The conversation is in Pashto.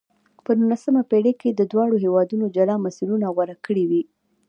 په نولسمه پېړۍ کې دواړو هېوادونو جلا مسیرونه غوره کړې وې.